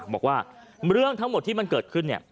บอกว่าเรื่องทั้งหมดที่มันเกิดขึ้น